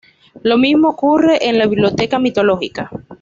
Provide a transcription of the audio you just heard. Lo mismo ocurre en la "Biblioteca mitológica".